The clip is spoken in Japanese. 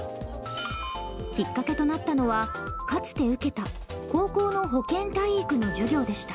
きっかけとなったのはかつて受けた高校の保健体育の授業でした。